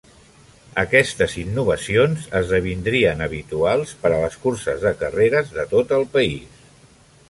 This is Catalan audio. Aquestes innovacions esdevindrien habituals per a les curses de carreres de tot el país.